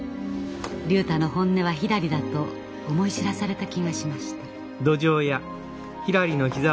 竜太の本音はひらりだと思い知らされた気がしました。